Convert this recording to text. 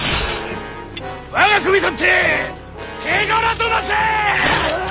我が首取って手柄となせ！